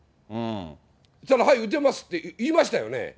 そうしたらはい、打てますって言いましたよね。